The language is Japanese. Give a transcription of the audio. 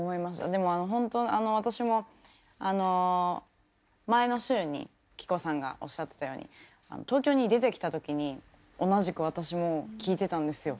でもあのほんとあの私もあの前の週に希子さんがおっしゃってたように東京に出てきた時に同じく私も聴いてたんですよ。